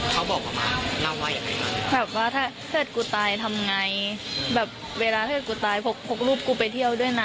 เขาบอกมาแล้วว่าอย่างไรกันแบบว่าถ้าเพื่อนกูตายทำไงแบบเวลาเพื่อนกูตายพกรูปกูไปเที่ยวด้วยนะ